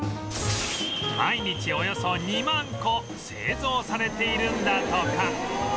毎日およそ２万個製造されているんだとか